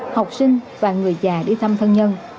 học sinh và người già đi thăm thân nhân